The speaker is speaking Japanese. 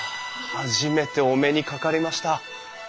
初めてお目にかかりました。